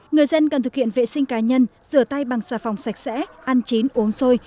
người dân cần thực hiện vệ sinh cá nhân rửa tay bằng xà phòng sạch sẽ ăn chín uống xôi